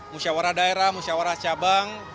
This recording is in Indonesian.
musyawarah daerah musyawarah cabang